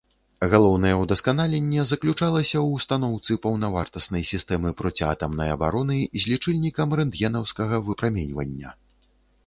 Галоўнае ўдасканаленне заключалася ў устаноўцы паўнавартаснай сістэмы проціатамнай абароны з лічыльнікам рэнтгенаўскага выпраменьвання.